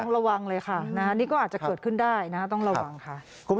ระวังเลยค่ะนี่ก็อาจจะเกิดขึ้นได้นะต้องระวังค่ะ